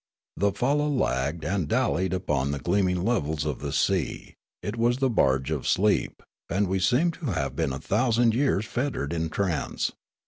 The falla lagged and dallied upon the gleaming levels of the sea ; it was the barge of sleep, and we seemed to have been a thousand 3'ears fettered in trance.